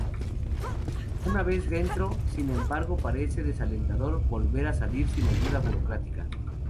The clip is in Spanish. Una vez dentro, sin embargo, parece desalentador volver a salir sin ayuda burocrática.